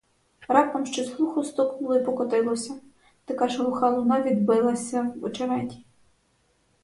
Раптом щось глухо стукнуло й покотилося; така ж глуха луна відбилася в очереті.